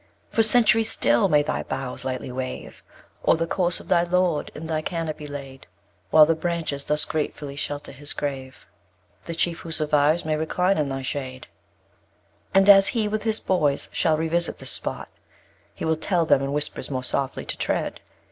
8. For centuries still may thy boughs lightly wave O'er the corse of thy Lord in thy canopy laid; While the branches thus gratefully shelter his grave, The Chief who survives may recline in thy shade. 9. And as he, with his boys, shall revisit this spot, He will tell them in whispers more softly to tread.